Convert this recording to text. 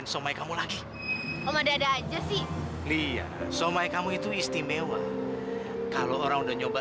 sampai jumpa di video selanjutnya